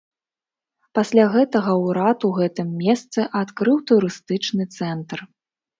Пасля гэтага ўрад у гэтым месцы адкрыў турыстычны цэнтр.